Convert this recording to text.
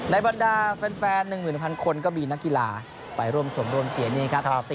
ในบรรดาแฟนหนึ่งหมื่นพันคนก็มีนักกีฬาไปร่วมชมร่วมเชียร์นี้ครับ